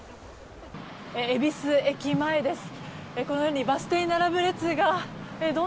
恵比寿駅前です。